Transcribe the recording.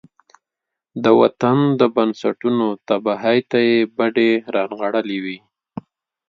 د وطن د بنسټونو تباهۍ ته يې بډې را نغاړلې وي.